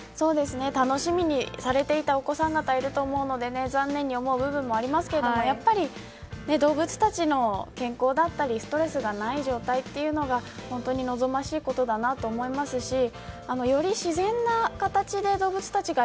楽しみにされていたお子さん方いると思うので残念に思う部分もありますけれどやっぱり動物たちの健康だったりストレスがない状態というのが本当に望ましいことだなと思いますしより、自然な形で動物たちが